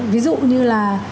ví dụ như là